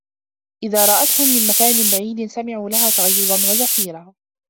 إِذا رَأَتهُم مِن مَكانٍ بَعيدٍ سَمِعوا لَها تَغَيُّظًا وَزَفيرًا